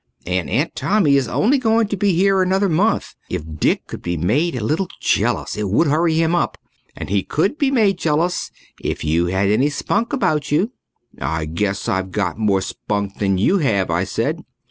And Aunt Tommy is only going to be here another month. If Dick could be made a little jealous it would hurry him up. And he could be made jealous if you had any spunk about you." "I guess I've got more spunk than you have," I said.